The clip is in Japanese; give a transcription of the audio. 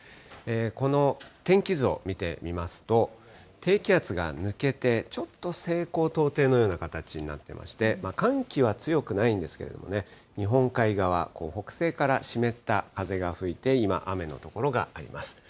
この天気図を見てみますと、低気圧が抜けて、ちょっと西高東低のような形になってまして、寒気は強くないんですけれどもね、日本海側、北西から湿った風が吹いて、今、雨の所があります。